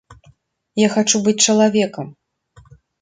Я хачу быць чалавекам.